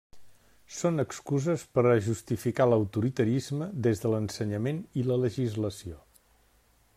Són excuses per a justificar l'autoritarisme des de l'ensenyament i la legislació.